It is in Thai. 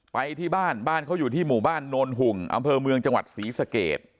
ไปที่บ้านบ้านเขาอยู่ที่หมู่บ้านโนนหุ่งอำเภอเมืองจังหวัดศรีสเกต